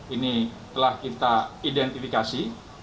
ini telah kita identifikasi